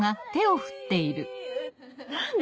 何で？